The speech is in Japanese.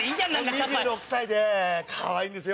２６歳でかわいいんですよ。